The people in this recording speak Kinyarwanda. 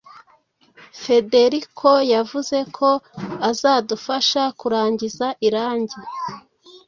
Federico yavuze ko azadufasha kurangiza irangi.